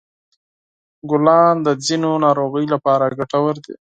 ګلان د ځینو ناروغیو لپاره ګټور دي.